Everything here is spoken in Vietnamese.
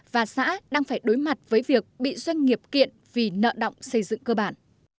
và xã đang phải đối mặt với việc bị doanh nghiệp kiện vì nợ động xây dựng cơ bản